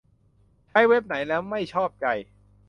ใช้เว็บไหนแล้วไม่ชอบใจ